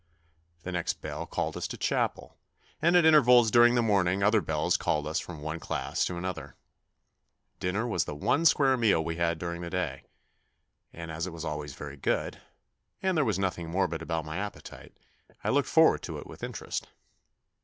The next bell called us to chapel, and at intervals during the morning other bells called us from one class to another. Dinner was the one square meal we had during the day, and as it 60 THE NEW BOY was always very good, and there was nothing morbid about my appetite, I looked forward to it with interest.